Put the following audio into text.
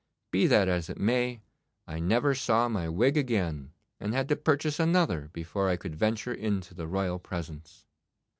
Be that as it may, I never saw my wig again, and had to purchase another before I could venture into the royal presence.